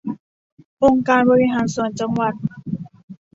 องค์การบริหารส่วนจังหวัด